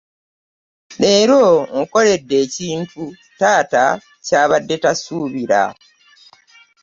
Leero onkoledde ekintu taata ky'abadde tasuubira.